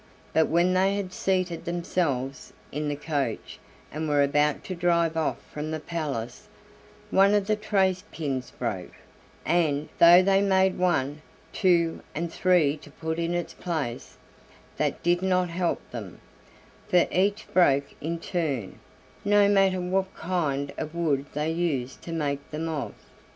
But when they had seated themselves in the coach and were about to drive off from the palace one of the trace pins broke, and, though they made one, two, and three to put in its place, that did not help them, for each broke in turn, no matter what kind of wood they used to make them of.